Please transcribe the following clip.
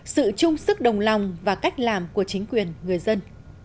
sự chung sức đồng lòng và cách làm của chính quyền người dân